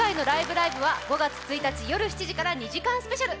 ライブ！」は５月１日夜７時から２時間スペシャル。